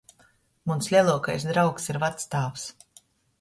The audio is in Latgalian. Muns leluokais draugs ir vactāvs.